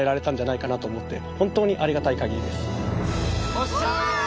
よっしゃ！